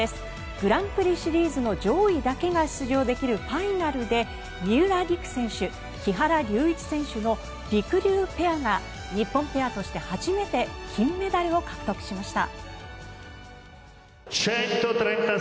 グランプリシリーズの上位だけが出場できるファイナルで三浦璃来選手、木原龍一選手のりくりゅうペアが日本ペアとして初めて金メダルを獲得しました。